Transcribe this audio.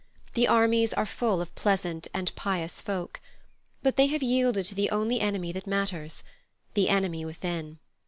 The armies are full of pleasant and pious folk. But they have yielded to the only enemy that matters—the enemy within.